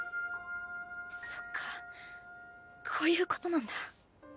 そっかこういうことなんだ。